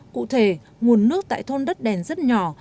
cụ thể nguồn nước tại thôn đất đèn rất nhỏ